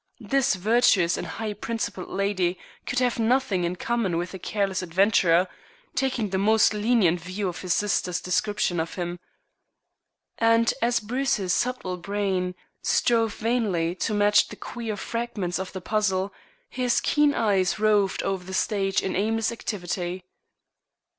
This virtuous and high principled lady could have nothing in common with a careless adventurer, taking the most lenient view of his sister's description of him. And as Bruce's subtle brain strove vainly to match the queer fragments of the puzzle, his keen eyes roved over the stage in aimless activity.